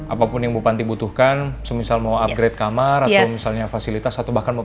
apapun yang bupanti butuhkan semisal mau upgrade kamar atau misalnya fasilitas atau bahkan mau